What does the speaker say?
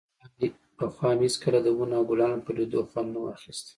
پخوا مې هېڅکله د ونو او ګلانو پر ليدو خوند نه و اخيستى.